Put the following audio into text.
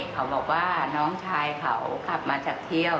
เขาบอกว่าน้องชายเขาขับมาจากเที่ยว